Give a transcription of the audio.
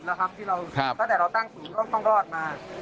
จากเวลาเราตั้งสูงคล่องเข้ารอดมา